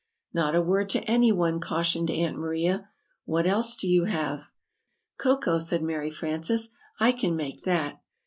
"Not a word to any one!" cau tion ed Aunt Maria. "What else do you have?" "Cocoa," said Mary Frances; "I can make that."